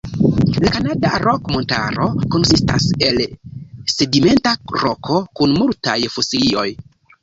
La Kanada Rok-Montaro konsistas el sedimenta roko, kun multaj fosilioj.